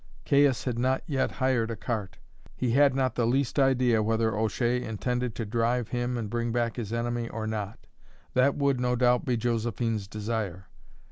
Caius had not yet hired a cart; he had not the least idea whether O'Shea intended to drive him and bring back his enemy or not. That would, no doubt, be Josephine's desire.